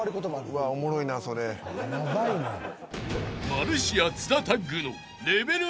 ［マルシア津田タッグの］